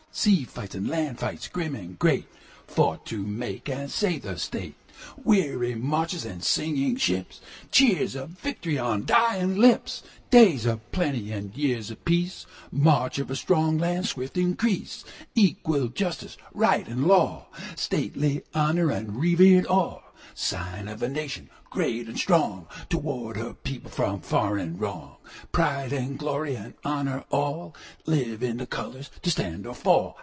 Sea fights and land fights, grim and great, Fought to make and to save the State:Weary marches and sinking ships; Cheers of victory on dying lips; Days of plenty and years of peace; March of a strong land's swift increase; Equal justice, right and law, Stately honor and reverend awe; Sign of a nation, great and strongTo ward her people from foreign wrong:Pride and glory and honor,—allLive in the colors to stand or fall.